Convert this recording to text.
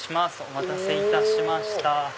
お待たせいたしました。